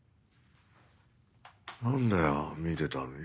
何だよ見てたのに。